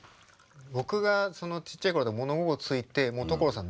僕がちっちゃい頃物心ついて所さん